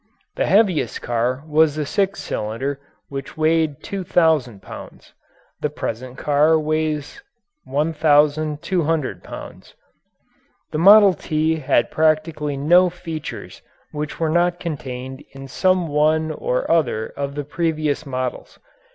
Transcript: The heaviest car was the six cylinder, which weighed 2,000 pounds. The present car weighs 1,200 lbs. The "Model T" had practically no features which were not contained in some one or other of the previous models.